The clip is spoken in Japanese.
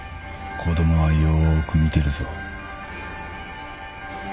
子供はよーく見てるぞ。